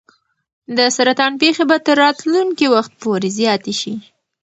د سرطان پېښې به تر راتلونکي وخت پورې زیاتې شي.